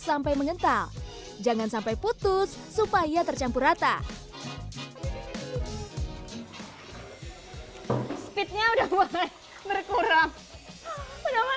sampai mengental jangan sampai putus supaya tercampur rata speednya udah berkurang udahlah